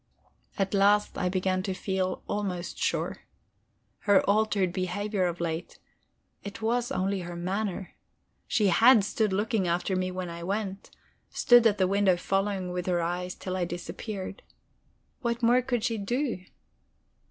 At last I began to feel almost sure. Her altered behavior of late it was only her manner. She had stood looking after me when I went; stood at the window following with her eyes till I disappeared. What more could she do?